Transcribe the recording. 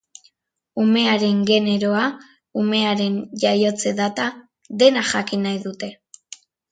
Umearen generoa, umearen jaiotze data, dena jakin nahi dute.